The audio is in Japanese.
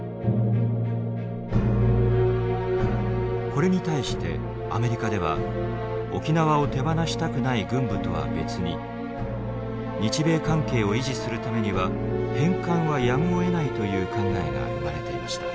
これに対してアメリカでは沖縄を手放したくない軍部とは別に日米関係を維持するためには返還はやむをえないという考えが生まれていました。